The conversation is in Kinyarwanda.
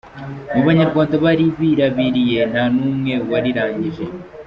Mu Banyarwanda bari birabiriye nta n’umwe warirangije.